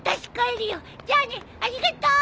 じゃあねありがとう。